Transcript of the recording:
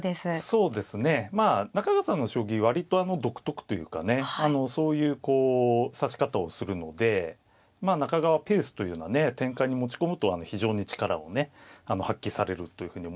そうですねまあ中川さんの将棋割と独特というかねそういうこう指し方をするのでまあ中川ペースというようなね展開に持ち込むと非常に力をね発揮されるというふうに思いますね。